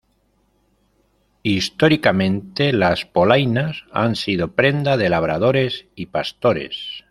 Históricamente, las polainas han sido prenda de labradores y pastores.